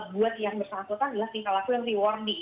buat yang bersangkutan adalah tingkah laku yang reward y